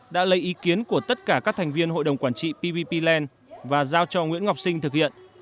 đã lấy ý kiến của tất cả các thành viên hội đồng quản trị pppland và giao cho nguyễn ngọc sinh thực hiện